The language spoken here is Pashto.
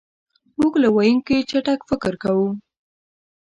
مونږ له ویونکي چټک فکر کوو.